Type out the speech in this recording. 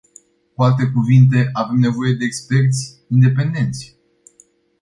Cu alte cuvinte, avem nevoie de experți independenți.